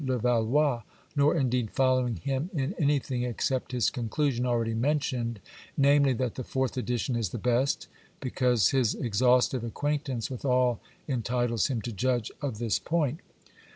Levallois, nor indeed following him in anything except his conclusion already mentioned, namely, that the fourth edition is the best, because his exhaustive acquaintance with all entitles him to judge of this point.